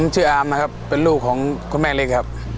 ผมชื่ออาร์มเป็นลูกของคุณแม่เล็กครับ